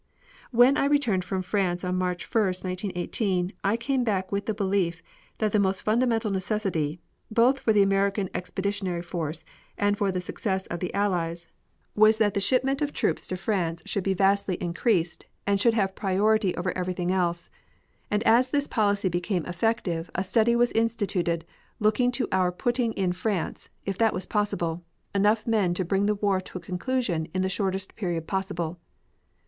When I returned from France on March 1, 1918, I came back with the belief that the most fundamental necessity, both for the American Expeditionary Force and for the success of the allies, was that the shipment of troops to France should be vastly increased and should have priority over everything else; and as this policy became effective a study was instituted looking to our putting in France, if that was possible, enough men to bring the war to a conclusion in the shortest period possible.